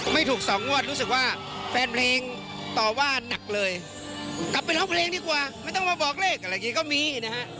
ไม่ถูกสองงวดรู้สึกว่าแฟนเพลงต่อว่านักเลยกลับไปร้องเพลงดีกว่าไม่ต้องมาบอกเลขอะไรอย่างนี้ก็มีนะฮะ